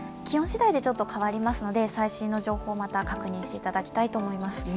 気温次第で変わりますので最新の情報をまた確認していただきたいと思います。